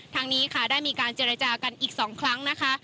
ทางนี้ค่ะได้มีการเจรจากันอีก๒ครั้งนะคะ